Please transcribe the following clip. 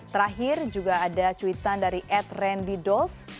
terakhir juga ada cuitan dari ad randy dose